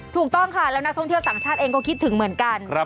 ถูกต้องค่ะแล้วนักท่องเที่ยวต่างชาติเองก็คิดถึงเหมือนกัน